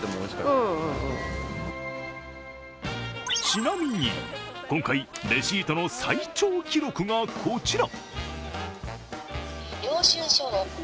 ちなみに、今回レシートの最長記録がこちら。